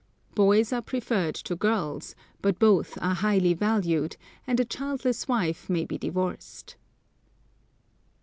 Boys are preferred to girls, but both are highly valued, and a childless wife may be divorced.